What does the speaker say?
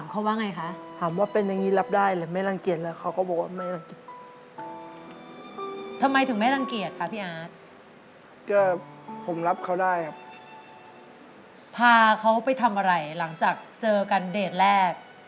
เขาพาเขาไปทำอะไรหลังจากเจอกันเดทแรก